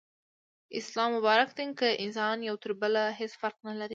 اسلام مبارک دين کي انسانان يو تر بله هيڅ فرق نلري